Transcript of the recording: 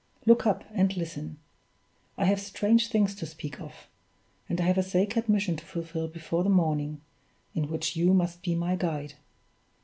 Look up, and listen! I have strange things to speak of; and I have a sacred mission to fulfill before the morning, in which you must be my guide."